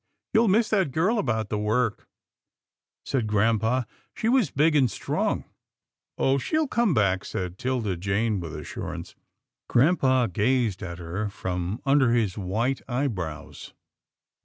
" You'll miss that girl about the work," said grampa, " she was big and strong." " Oh ! she'll come back," said 'Tilda Jane with assurance. Grampa gazed at her from under his white eye brows.